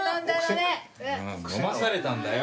飲まされたんだよ